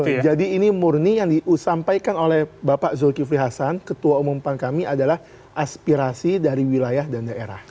betul jadi ini murni yang disampaikan oleh bapak zulkifli hasan ketua umum pan kami adalah aspirasi dari wilayah dan daerah